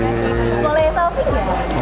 boleh selfie nggak